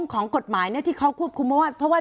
กฎหมายเขากลับคุมว่า